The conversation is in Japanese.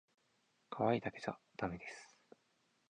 かわいいだけじゃだめです